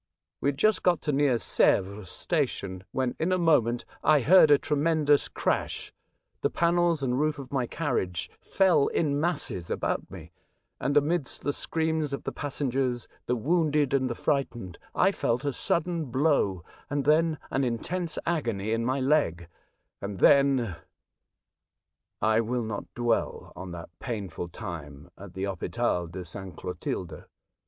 We had just got to near Sevres station, when, in a moment, I heard a tremen dous crash, the panels and roof of my carriage fell in masses about me, and amidst the screams of the passengers, the wounded and the fright ened, I felt a sudden blow and then an intense agony in my leg, and then I will not dwell on that painful time at the Hopital de S. Clotilde.